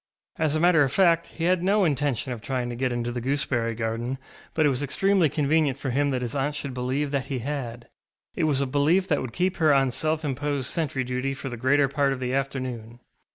As a matter of fact, he had no intention of trying to get into the gooseberry garden, but it was extremely convenient for him that his aunt should believe that he had; it was a belief that would keep her on self imposed sentry duty for the greater part of the afternoon.